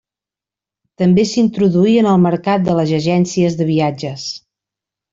També s'introduí en el mercat de les agències de viatges.